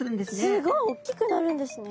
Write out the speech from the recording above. すごいおっきくなるんですね。